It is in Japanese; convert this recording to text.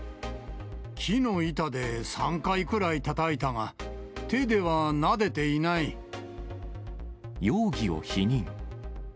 木の板で３回くらいたたいた容疑を否認。